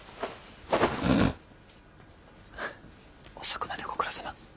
遅くまでご苦労さま。